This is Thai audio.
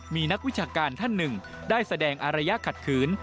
มีนักวิชาการท่านหนึ่งได้แสดงอารยะขัดขืน